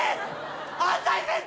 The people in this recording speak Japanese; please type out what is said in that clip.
安西先生